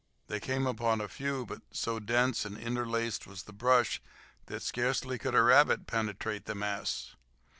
They came upon a few, but so dense and interlaced was the brush that scarcely could a rabbit penetrate the mass.